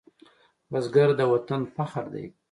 بزګر د وطن فخر دی